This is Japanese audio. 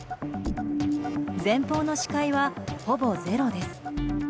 前方の視界は、ほぼゼロです。